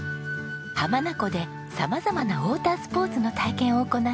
浜名湖で様々なウォータースポーツの体験を行っているお店です。